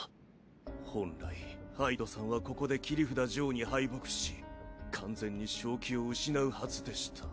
本来ハイドさんはここで切札ジョーに敗北し完全に正気を失うはずでした。